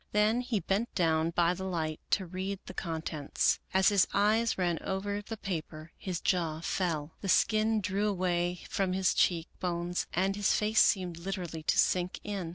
Then he bent down by the light to read the contents. As his eyes ran over the paper, his jaw fell. The skin drew away from his cheek bones and his face seemed literally to sink in.